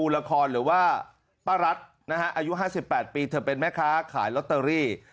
ละครหรือว่าป้ารัฐนะฮะอายุ๕๘ปีเธอเป็นแม่ค้าขายลอตเตอรี่